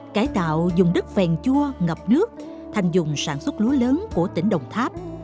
cải tạo dùng đất phèn chua ngập nước thành dùng sản xuất lúa lớn của tỉnh đồng tháp